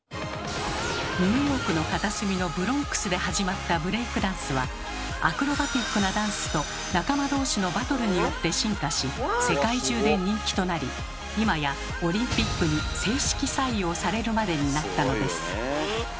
ニューヨークの片隅のブロンクスで始まったブレイクダンスはアクロバティックなダンスと仲間同士のバトルによって進化し世界中で人気となり今やオリンピックに正式採用されるまでになったのです。